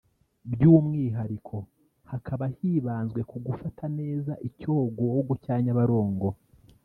By’umwihariko hakaba hibanzwe ku gufata neza icyogogo cya Nyabarongo